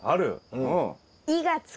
うん。